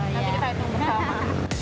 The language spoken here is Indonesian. nanti kita hitung bersama